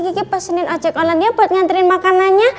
kiki pesenin ojek olannya buat ngantriin makanannya